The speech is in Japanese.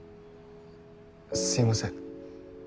すいません